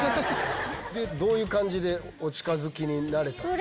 どういう感じでお近づきになれたんですか？